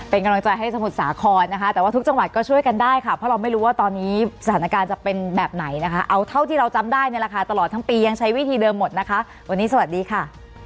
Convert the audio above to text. เป็นกำลังใจให้สมุทรสาครนะคะแต่ว่าทุกจังหวัดก็ช่วยกันได้ค่ะเพราะเราไม่รู้ว่าตอนนี้สถานการณ์จะเป็นแบบไหนนะคะเอาเท่าที่เราจำได้เนี่ยแหละค่ะตลอดทั้งปียังใช้วิธีเดิมหมดนะคะวันนี้สวัสดีค่ะ